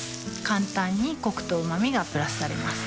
簡単にコクとうま味がプラスされます